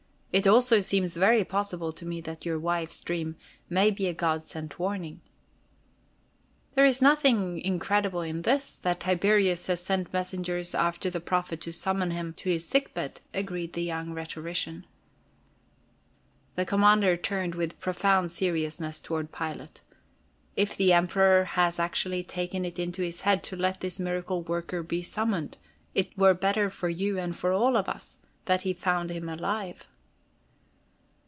"It also seems very possible to me that your wife's dream may be a god sent warning." "There's nothing incredible in this, that Tiberius has sent messengers after the Prophet to summon him to his sick bed," agreed the young rhetorician. The Commander turned with profound seriousness toward Pilate. "If the Emperor has actually taken it into his head to let this miracle worker be summoned, it were better for you and for all of us that he found him alive."